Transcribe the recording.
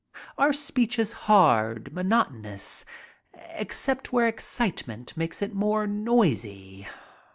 Our speech is hard, monotonous, except where excitement makes it more noisy.